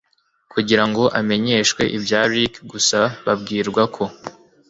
kugira ngo amenyeshwe ibya Rick gusa babwirwa ko